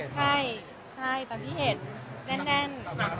ใช่ตามที่เห็นแน่น